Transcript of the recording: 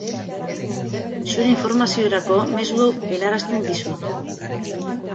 Zure informaziorako, mezu hau helarazten dizut